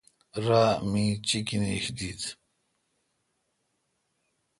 را می چیکینیش دیت۔